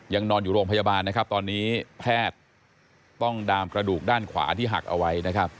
ยังนอนอยู่โรงพยาบาลนะครับตอนนี้แพทย์ต้องดามกระดูกด้านขวาที่หักเอาไว้นะครับ